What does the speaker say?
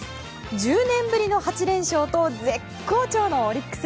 １０年ぶりの８連勝と絶好調のオリックス。